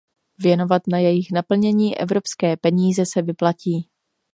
Věnovat na jejich naplnění evropské peníze se vyplatí.